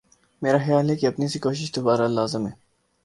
میرا خیال ہے کہ اپنی سی کوشش تو بہر حال لازم ہے۔